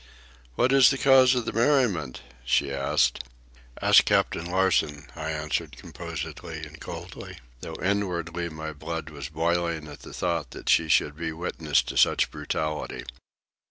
"What is the cause of the merriment?" she asked. "Ask Captain Larsen," I answered composedly and coldly, though inwardly my blood was boiling at the thought that she should be witness to such brutality.